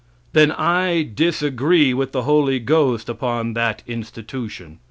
Then I disagree with the Holy Ghost upon that institution.